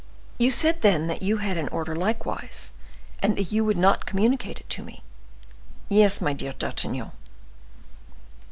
"You said, then, that you had an order likewise, and that you would not communicate it to me." "Yes, my dear D'Artagnan."